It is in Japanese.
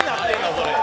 それ。